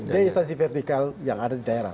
di instansi vertikal yang ada di daerah